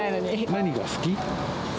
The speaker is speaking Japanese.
何が好き？